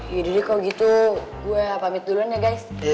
ya udah deh kalo gitu gue pamit duluan ya guys